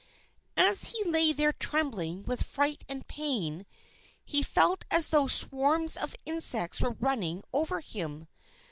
And as he lay there trembling with fright and pain, he felt as though swarms of insects were running over him.